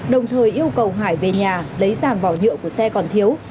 đồng thời yêu cầu hải về nhà lấy sản vỏ nhựa của xe còn thiếu